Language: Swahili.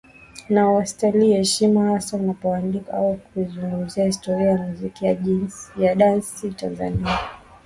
Na unastahili heshima hasa unapoandika au kuizungumzia historia ya muziki wa dansi Tanzania